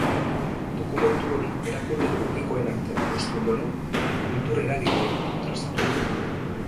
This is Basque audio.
Dokumentu hori erakunde publikoen artean adostu ondoren, kultur eragileekin kontrastatuko dute.